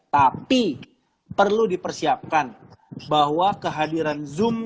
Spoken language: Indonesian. tapi perlu dipersiapkan bahwa kehadiran zoom